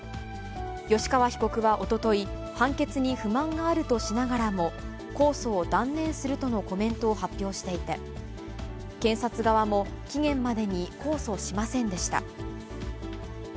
吉川被告はおととい、判決に不満があるとしながらも、控訴を断念するとのコメントを発表していて、検察側も、期限までに控訴しませんでした。